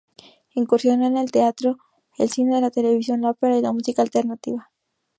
Incursionó en el teatro, el cine, la televisión, la ópera y la música alternativa.